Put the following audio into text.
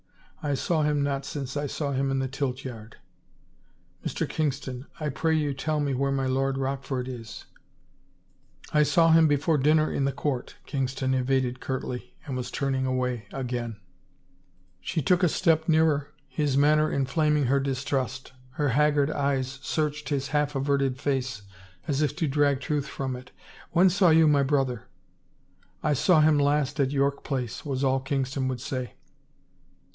"" I saw him not since I saw him in the tiltyard." " Mr. Kingston, I pray you tell me where my lord Rochfordis?" " I saw him before dinner in the court," Kingston evaded curtly and was turning away again. 330 A BLOW IN THE DARK She took a step nearer, his manner inflaming her dis trust. Her haggard eyes searched his half averted face as if to drag truth from it. " When saw you my brother ?"" I saw him last at York Place," was all Kingston would say.